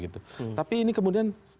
tapi ini kemudian